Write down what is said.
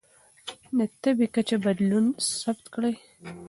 د تبه کچه بدلون ثبت کړئ.